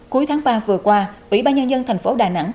cuối tháng ba vừa qua ủy ban nhân dân thành phố đà nẵng